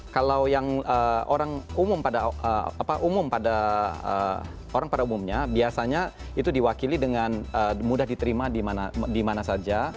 kalau yang orang umum pada umumnya biasanya itu diwakili dengan mudah diterima di mana saja